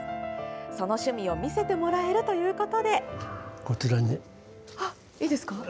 その趣味を見せてもらえるということで。